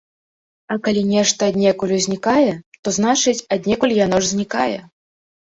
А калі нешта аднекуль узнікае, то значыць, аднекуль яно ж знікае.